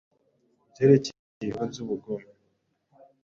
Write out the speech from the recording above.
Ku byerekeye ibi bikorwa by’ubugome,